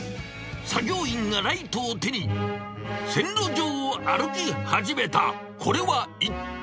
作業員がライトを手に線路上を歩き始めた。